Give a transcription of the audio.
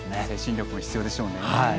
精神力も必要でしょうね。